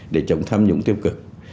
để chống tham nhũng tiêu cực